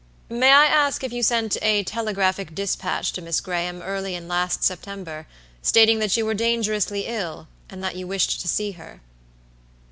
"May I ask if you sent a telegraphic dispatch to Miss Graham early in last September, stating that you were dangerously ill, and that you wished to see her?"